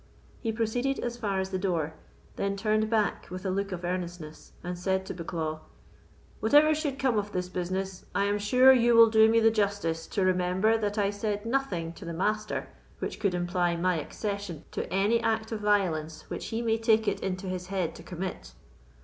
He proceeded as far as the door, then turned back with a look of earnestness, and said to Bucklaw: "Whatever should come of this business, I am sure you will do me the justice to remember that I said nothing to the Master which could imply my accession to any act of violence which he may take it into his head to commit."